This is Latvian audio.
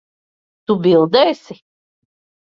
Tu bildēsi.